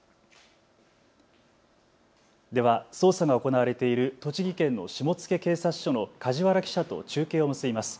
では捜査が行われている栃木県の下野警察署の梶原記者と中継を結びます。